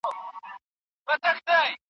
مغولو نه سوه کولای چي خپل زوال ودروي.